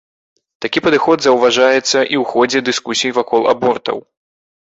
Такі падыход заўважаецца і ў ходзе дыскусій вакол абортаў.